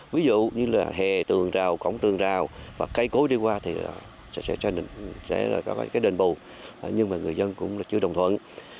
ví dụ như là hề tường rào cổng tường rào và cây cối đi qua thì sẽ là đền bù nhưng mà người dân cũng chưa đồng thuận